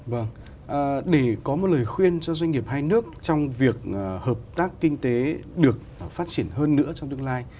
vâng để có một lời khuyên cho doanh nghiệp hai nước trong việc hợp tác kinh tế được phát triển hơn nữa trong tương lai